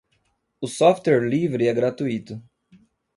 O software livre é gratuito.